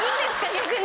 逆に。